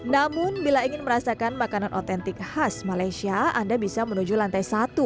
namun bila ingin merasakan makanan otentik khas malaysia anda bisa menuju lantai satu